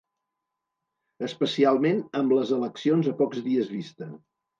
Especialment amb les eleccions a pocs dies vista.